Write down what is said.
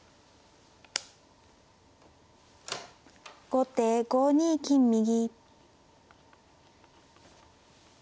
後手５二金右。